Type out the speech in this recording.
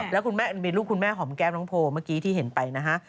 แล้วคุณแม่มีลูกคุณแม่หอมแก้มน้องโพลเมื่อกี้ที่เห็นไปนะฮะ